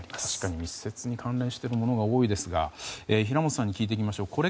確かに密接に関連しているものが多いですが平元さんに聞いていきましょう。